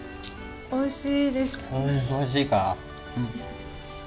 おいしい。